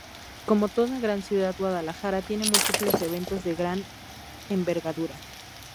Como toda gran ciudad, Guadalajara tiene múltiples eventos de gran envergadura.